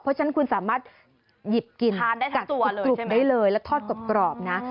เพราะฉะนั้นคุณสามารถหยิบกินกัดกรุบได้เลยแล้วทอดกรอบนะ